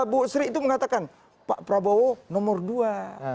bu sri itu mengatakan pak prabowo nomor dua